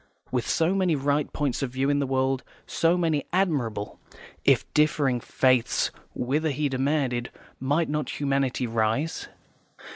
With so many right points of view in the world, so many admirable, if differing, faiths, whither, he demanded, might not humanity rise?